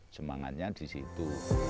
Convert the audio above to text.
semangatnya di situ